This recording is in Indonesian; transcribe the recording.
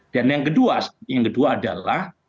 dan yang kedua adalah